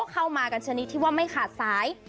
เข้ามากันชนิดที่ว่าไม่ขาดสาย